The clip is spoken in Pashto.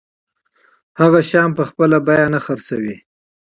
هغه توکي په خپله بیه نه پلوري